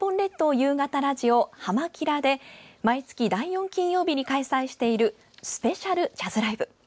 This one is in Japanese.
夕方ラジオ「はま☆キラ！」で毎月第４金曜日に開催しているスペシャルジャズライブ。